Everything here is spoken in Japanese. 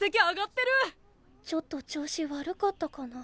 ちょっと調子悪かったかな。